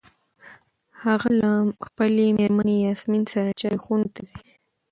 هغه له خپلې مېرمنې یاسمین سره چای خونو ته ځي.